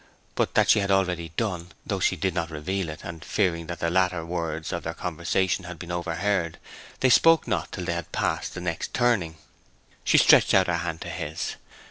But that she had already done, though she did not reveal it, and, fearing that the latter words of their conversation had been overheard, they spoke not till they had passed the next turning. She stretched out her hand to his.